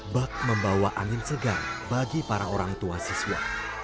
bak membawa angin segar bagi para orang tua siswa